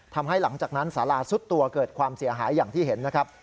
ทำให้หลังจากนั้นสาราซุดตัวเกิดความเสียหายอย่างที่เห็นนะครับ